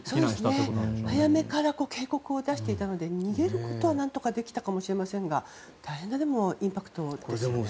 早めから警告を出していたので逃げることは何とかできたかもしれませんが大変なインパクトですね。